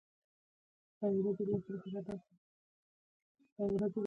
زه څه پوه شم ؟